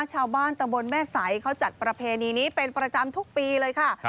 ชาวบ้านตะบนแม่ใสเขาจัดประเพณีนี้เป็นประจำทุกปีเลยค่ะ